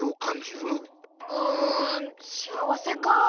うん幸せかあ。